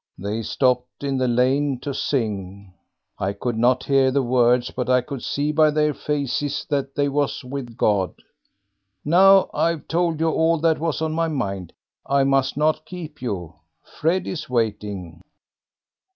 They stopped in the lane to sing. I could not hear the words, but I could see by their faces that they was with God... Now, I've told you all that was on my mind. I must not keep you; Fred is waiting."